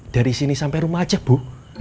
dari sini sampai rumah aja bu